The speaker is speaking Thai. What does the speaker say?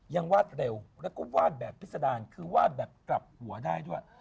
วาดเร็วแล้วก็วาดแบบพิษดารคือวาดแบบกลับหัวได้ด้วย